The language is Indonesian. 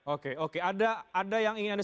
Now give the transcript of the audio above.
oke oke ada yang ingin anda